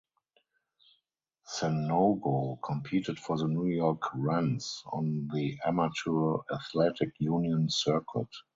Sanogo competed for the New York Rens on the Amateur Athletic Union circuit.